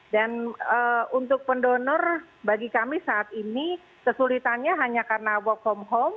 dan untuk pendonor bagi kami saat ini kesulitannya hanya karena work from home